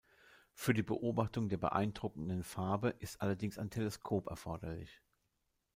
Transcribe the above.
Für die Beobachtung der beeindruckenden Farbe ist allerdings ein Teleskop erforderlich.